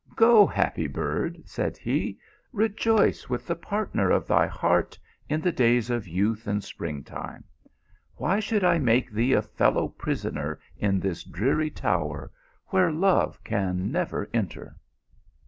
" Go. happy bird," said he, "rejoice with the partner ot thy heart in the days of youth and spring time. Why should I make thee a fellow prisoner in this dreary tower, where love can never enter